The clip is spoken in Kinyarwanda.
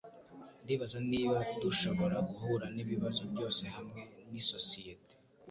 Ndibaza niba dushobora guhura nibibazo byose hamwe nisosiyete